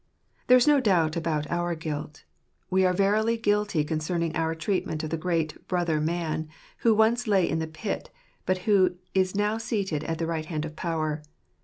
There is no doubt about our guilt. We are verily guilty concerning our treatment of that great Brother man, who once lay in the pit, but who is now seated at the right hand of power.